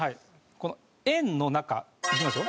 この「ＹＥＮ」の中いきますよ。